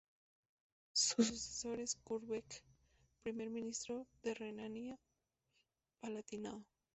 Su sucesor es Kurt Beck, primer ministro de Renania-Palatinado.